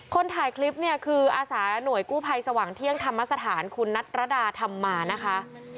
คนถ่ายคลิปเนี่ยคืออาสาและหน่วยกู้ภัยสว่างเที่ยงธรรมสถานคุณนัทรดาธรรมานะคะ